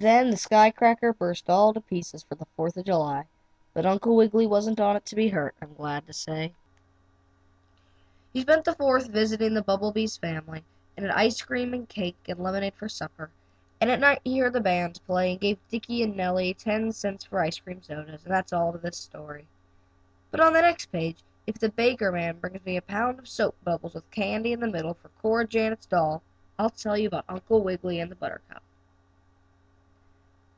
Then the sky cracker burst all to pieces for Fourth of July, but Uncle Wiggily wasn't on it to be hurt, I'm glad to say. He spent the Fourth visiting the Bumble bee's family, and had ice cream and cake and lemonade for supper, and at night he heard the band play, and he gave Nellie and Dickie ten cents for ice cream sodas, and that's all to this story. But on the next page, if the baker man brings me a pound of soap bubbles with candy in the middle for Cora Janet's doll, I'll tell you about Uncle Wiggily and the buttercup.